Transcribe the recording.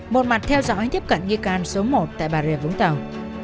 một mặt theo dõi tiếp cận nghi can số một tại bà rịa vũng tàu